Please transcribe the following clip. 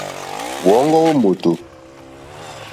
Wɔ̌ŋɡɔ́ wó mòtò.